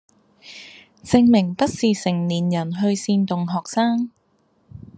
證明不是成年人去煽動學生